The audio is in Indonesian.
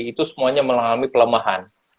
itu semuanya mengalami pelemahan